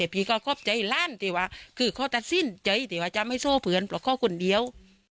พี่ก็ขอบใจลั่นแต่ว่าคือเขาตัดสินใจที่ว่าจะไม่โซ่เพื่อนเพราะเขาคนเดียว